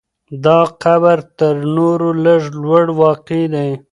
دا قبر تر نورو لږ لوړ واقع دی.